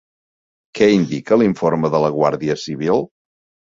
Què indica l'informe de la Guàrdia Civil?